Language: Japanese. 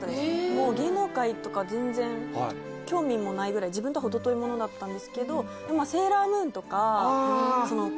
もう芸能界とか全然興味もないぐらい自分とは程遠いものだったんですけど。